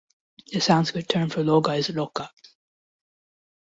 The Sanskrit term for Loga is "loka".